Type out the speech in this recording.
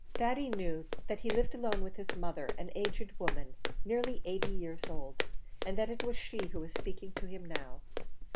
Thady knew that he lived alone with his mother, an aged woman, nearly eighty years old, and that it was she who was speaking to him now.